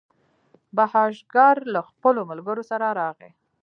بهاشکر له خپلو ملګرو سره راغی.